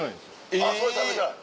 あっそれ食べたい。